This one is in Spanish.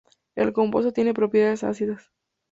El compuesto tiene propiedades ácidas.